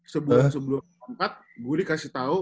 sebulan sebelum berangkat gue dikasih tau